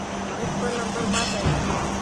هغې خپل نمبر ماته یاد کړ.